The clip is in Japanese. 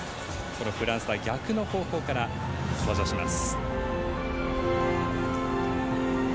フランスとは逆の方向から登場します。